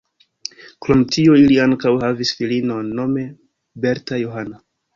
Krom tio ili ankaŭ havis filinon nome Berta Johanna.